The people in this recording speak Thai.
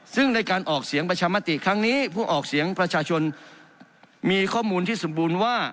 ซึ่งในการออกเสียงประชามติครั้งนี้ผู้ออกเสียงประชาชนมีข้อมูลที่สมบูรณ์ว่า